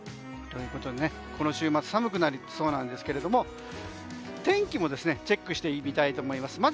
ということで、この週末寒くなりそうなんですが天気もチェックしてみたいと思います。